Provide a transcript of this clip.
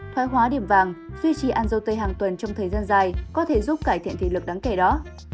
thoái hóa điểm vàng duy trì ăn dâu tây hàng tuần trong thời gian dài có thể giúp cải thiện thể lực đáng kể đó